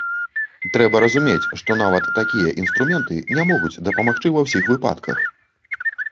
Трэба разумець, што нават такія інструменты не могуць дапамагчы ва ўсіх выпадках.